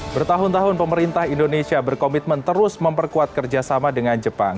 bertahun tahun pemerintah indonesia berkomitmen terus memperkuat kerjasama dengan jepang